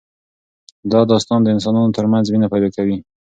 دا داستان د انسانانو ترمنځ مینه پیدا کوي.